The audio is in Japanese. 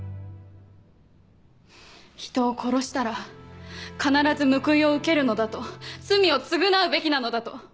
人を殺したら必ず報いを受けるのだと罪を償うべきなのだと。